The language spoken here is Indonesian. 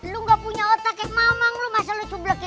lu nggak punya otaknya mamang lu masa lucu bebek